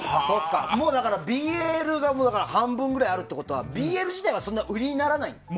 だからＢＬが半分くらいあるってことはＢＬ自体はそんなに売りにならない。